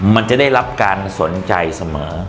มันจะได้รับการสนใจเสมอ